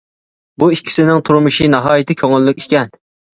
بۇ ئىككىسىنىڭ تۇرمۇشى ناھايىتى كۆڭۈللۈك ئىكەن.